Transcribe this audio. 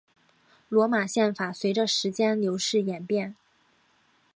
罗马宪法随着时间的流逝演变。